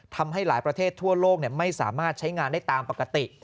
ทำให้หลายประเทศทั่วโลกไม่สามารถใช้งานได้ตามปกติ